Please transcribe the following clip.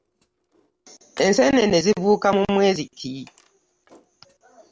Ensenene zibuuka mu mwezi ki?